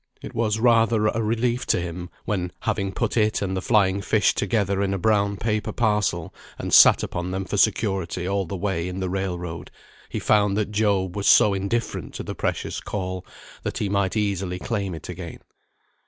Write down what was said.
It was rather a relief to him, when, having put it and the flying fish together in a brown paper parcel, and sat upon them for security all the way in the railroad, he found that Job was so indifferent to the precious caul, that he might easily claim it again.